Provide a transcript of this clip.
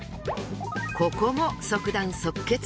ここも即断即決。